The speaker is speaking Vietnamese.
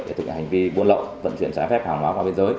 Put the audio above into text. để thực hiện hành vi buôn lậu tận chuyển trái phép hòng hóa qua biên giới